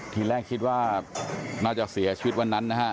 ทีแรกคิดว่าน่าจะเสียชีวิตวันนั้นนะฮะ